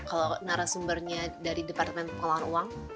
kalau narasumbernya dari departemen pengelolaan uang